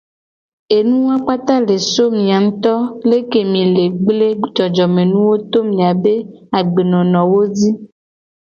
Enu wawo kpata le so mia nguto leke mi le gble jojomenuwo to miabe agbenonowo ji.